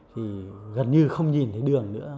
thì gần như không nhìn thấy đường nữa